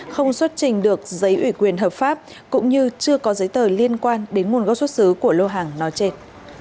không xuất trình được giấy ủy quyền hợp pháp cũng như chưa có giấy tờ liên quan đến nguồn gốc xuất xứ của lô hàng nói trên